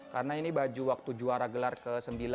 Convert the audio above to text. karena ini baju waktu juara gelar ke sembilan